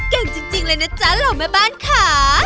เก่งจริงเลยนะจ๊ะเหล่าแม่บ้านค่ะ